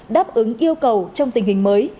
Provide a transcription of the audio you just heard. đáp ứng yêu cầu trong tình hình mới